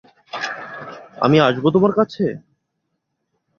আমি আসবো তোমার কাছে!